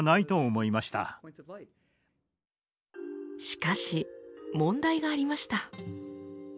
しかし問題がありました。